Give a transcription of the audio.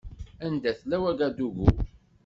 Anda tella Wagadugu?